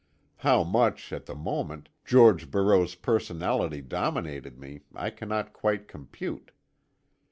How much, at the moment, George Barreau's personality dominated me I cannot quite compute.